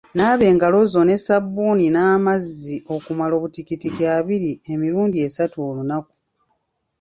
Naaba engalo zo ne sabbuuni n'amazzi okumala obutikitiki abiri emirundi esatu olunaku.